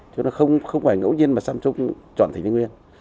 chứ nó không phải ngẫu nhiên mà samsung chọn tỉnh thái nguyên